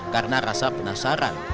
karena rasa penasaran